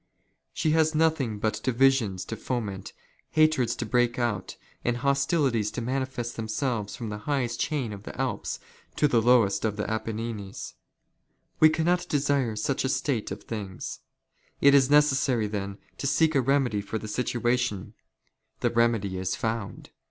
She has nothing but divisions to foment, " hatreds to breakout, and hostilities to manifest themselves from '' the highest chain of the Alps to the lowest of the A ppenines. We " cannot desire such a state of things. It is necessary, then, to " seek a remedy for that situation. The remedy is found.